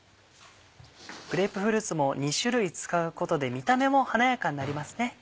グレープフルーツも２種類使うことで見た目も華やかになりますね。